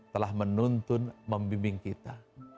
telah menuntun membimbing kita